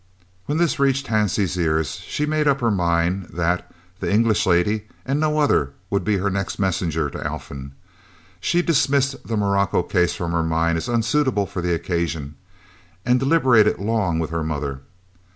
When this reached Hansie's ears she made up her mind that "the English lady," and no other, would be her next messenger to Alphen. She dismissed the morocco case from her mind as unsuitable for the occasion, and deliberated long with her mother.